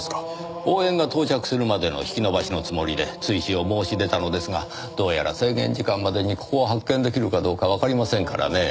応援が到着するまでの引き延ばしのつもりで追試を申し出たのですがどうやら制限時間までにここを発見出来るかどうかわかりませんからねぇ。